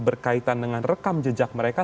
berkaitan dengan rekam jejak mereka